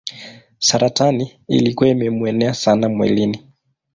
Saratani ilikuwa imemuenea sana mwilini.